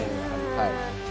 はい。